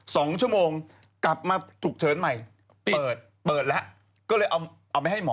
สองชั่วโมงกลับมาฉุกเฉินใหม่เปิดเปิดแล้วก็เลยเอาเอาไปให้หมอ